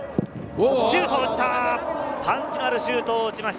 シュートを打った！